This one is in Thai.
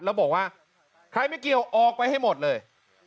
แล้วบอกว่าใครไม่เกี่ยวออกไปให้หมดเลย